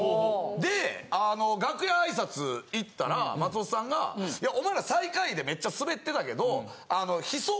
・で楽屋挨拶行ったら松本さんがいやお前ら最下位でめっちゃスベってたけど。